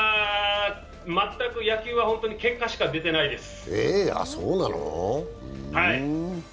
全く野球は本当に結果しか出てないです。